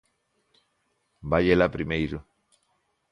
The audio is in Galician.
Vai ela primeiro.